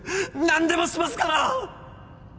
何でもしますから！